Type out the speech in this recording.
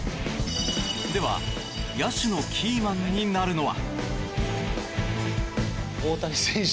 では野手のキーマンになるのは？